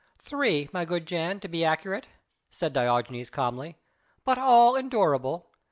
"Three, my good Jan, to be quite accurate," said Diogenes calmly, "but all endurable.